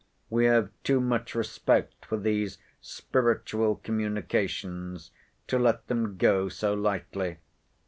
We have too much respect for these spiritual communications, to let them go so lightly.